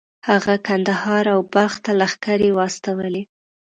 هغه کندهار او بلخ ته لښکرې واستولې.